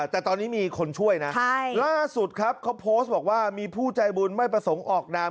แต่ตอนนี้มีคนช่วยนะล่าสุดครับเขาโพสต์บอกว่ามีผู้ใจบุญไม่ประสงค์ออกนาม